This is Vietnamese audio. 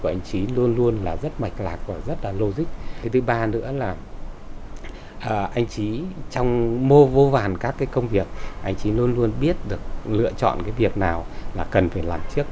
anh trí luôn luôn biết được lựa chọn cái việc nào là cần phải làm trước